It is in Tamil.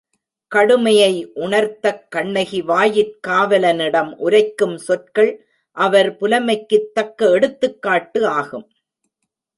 கடுமையை உணர்த்தக் கண்ணகி வாயிற் காவல னிடம் உரைக்கும் சொற்கள் அவர் புலமைக்குத் தக்க எடுத்துக்காட்டு ஆகும்.